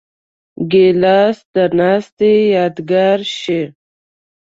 ګیلاس د ناستې یادګار شي.